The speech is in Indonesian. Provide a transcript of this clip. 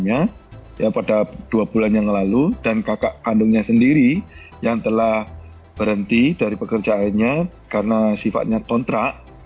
ya pada dua bulan yang lalu dan kakak kandungnya sendiri yang telah berhenti dari pekerjaannya karena sifatnya kontrak